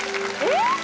えっ？